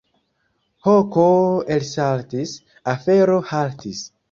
Hoko elsaltis, afero haltis.